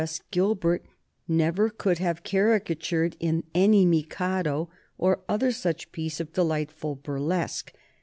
S. Gilbert never could have caricatured in any "Mikado" or other such piece of delightful burlesque.